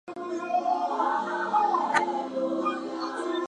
Rien's aptitude for drawing showed early on.